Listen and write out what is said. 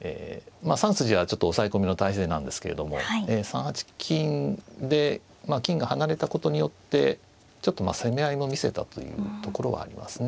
まあ３筋はちょっと押さえ込みの態勢なんですけれども３八金でまあ金が離れたことによってちょっとまあ攻め合いも見せたというところはありますね。